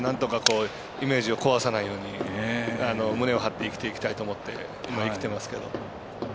なんとかイメージ壊さずに胸を張っていきたいと思って生きていますけど。